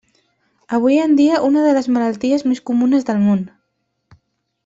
Avui en dia en una de les malalties més comunes del món.